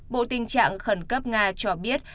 bộ tình trạng khẩn cấp nga cho biết